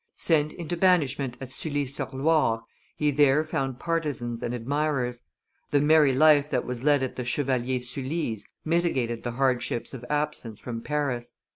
Sent into banishment at Sully sur Loire, he there found partisans and admirers; the merry life that was led at the Chevalier Sully's mitigated the hardships of absence from Paris.